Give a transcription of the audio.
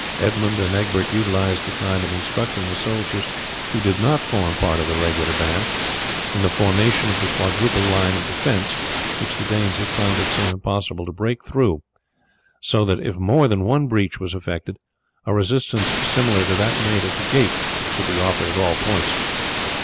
Edmund and Egbert utilized the time in instructing the soldiers who did not form part of the regular band, in the formation of the quadruple line of defence which the Danes had found it so impossible to break through, so that if more than one breach was effected, a resistance similar to that made at the gate could be offered at all points.